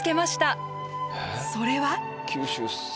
それは。